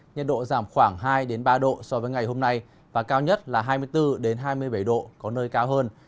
nhiệt độ giảm khoảng hai ba độ so với ngày hôm nay và cao nhất là hai mươi bốn hai mươi bảy độ có nơi cao hơn